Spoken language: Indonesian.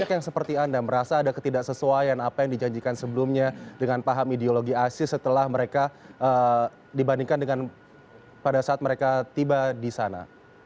banyak yang seperti anda merasa ada ketidaksesuaian apa yang dijanjikan sebelumnya dengan paham ideologi isis setelah mereka dibandingkan dengan pada saat mereka tiba di sana